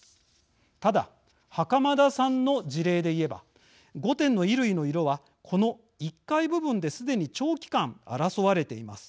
ただ袴田さんの事例で言えば５点の衣類の色はこの１階部分ですでに長期間争われています。